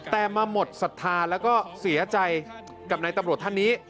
แต่มาหมดศรัทธาแล้วก็เสียใจกับนายตำรวจท่านนี้